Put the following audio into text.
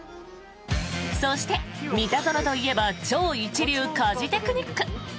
そして、三田園といえば超一流家事テクニック。